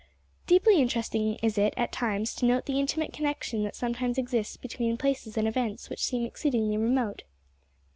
Deeply interesting is it, at times, to note the intimate connection that sometimes exists between places and events which seem exceedingly remote.